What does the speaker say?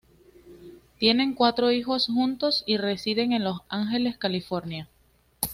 Tienen cuatro hijos juntos y residen en Los Ángeles, California.